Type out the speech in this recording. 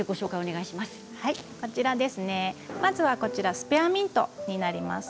まずはスペアミントになります。